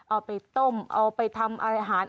เอาไปต้มเอาไปทำอาหาร